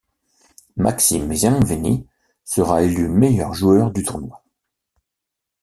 Maxime Zianveni sera élu meilleur joueur du tournoi.